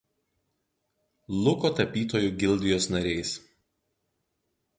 Luko tapytojų gildijos nariais.